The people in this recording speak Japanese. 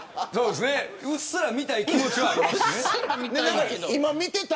うっすら見たい気持ちありますもんね。